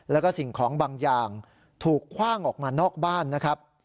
แล้วก็สิ่งของบางอย่างถูกคว่างออกมานอกบ้านนะครับ